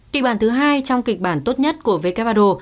kịch bản thứ hai trong kịch bản tốt nhất của who